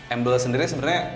embl sendiri sebenarnya